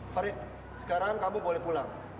farid sekarang kamu boleh pulang